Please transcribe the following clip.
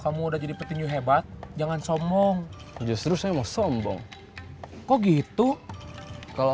kamu udah jadi petinju hebat jangan sombong justru saya sombong kok gitu kalau